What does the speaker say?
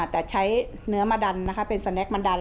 แต่ใช้เนื้อมะดันนะคะเป็นสแนคมะดัน